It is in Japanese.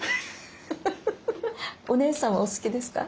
お姉さんはお好きですか？